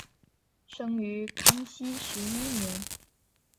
生于康熙十一年。